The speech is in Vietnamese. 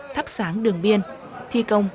thắp sáng đường biên thi công